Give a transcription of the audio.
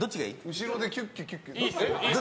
後ろでキュッキュ、キュッキュ。